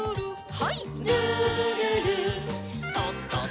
はい。